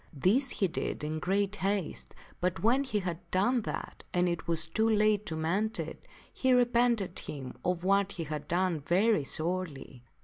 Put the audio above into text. This he did in great haste, but when he had done that and it was too late to mend it, he repented him of what he had done very sorely.